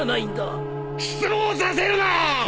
失望させるな！